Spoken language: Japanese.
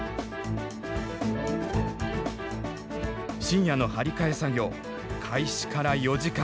深夜の張り替え作業開始から４時間。